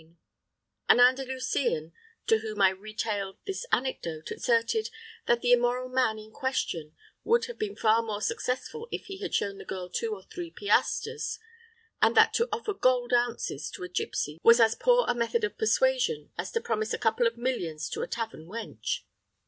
An Andalusian, to whom I retailed this anecdote, asserted that the immoral man in question would have been far more successful if he had shown the girl two or three piastres, and that to offer gold ounces to a gipsy was as poor a method of persuasion as to promise a couple of millions to a tavern wench.